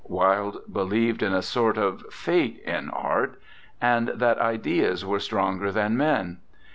Wilde believed in a sort of fate in art, and that ideas were stronger than men.